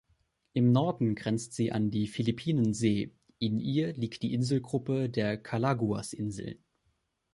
Im Norden grenzt sie an die Philippinensee, in ihr liegt die Inselgruppe der Calaguas-Inseln.